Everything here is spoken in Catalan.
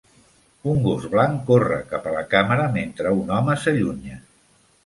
Un gos blanc corre cap a la càmera mentre un home s'allunya.